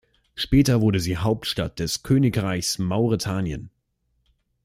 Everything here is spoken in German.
Später wurde sie Hauptstadt des Königreichs Mauretanien.